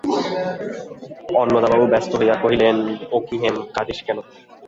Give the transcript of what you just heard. অন্নদাবাবু ব্যস্ত হইয়া কহিলেন, ও কী হেম, কাঁদিস কেন?